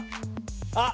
あっ！